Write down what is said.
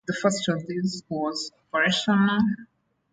The first of these was operational.